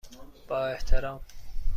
با احترام،